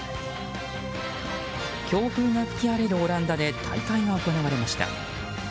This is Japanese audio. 強風が吹き荒れるオランダで大会が行われました。